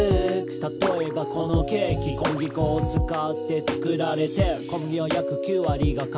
「たとえばこのケーキ小麦粉を使って作られてる」「小麦は約９割が海外産」